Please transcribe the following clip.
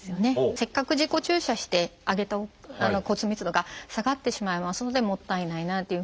せっかく自己注射して上げた骨密度が下がってしまいますのでもったいないなというふうに思いますし。